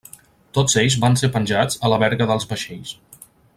Tots ells van ser penjats a la verga dels vaixells.